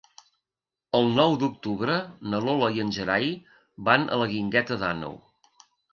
El nou d'octubre na Lola i en Gerai van a la Guingueta d'Àneu.